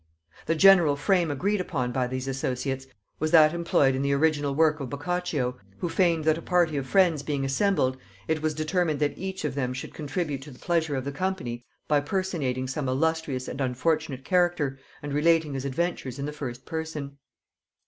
The general frame agreed upon by these associates was that employed in the original work of Boccacio, who feigned, that a party of friends being assembled, it was determined that each of them should contribute to the pleasure of the company by personating some illustrious and unfortunate character, and relating his adventures in the first person.